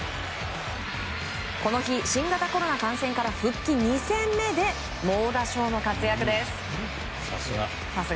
この日、新型コロナ感染から復帰２戦目で猛打賞の活躍です。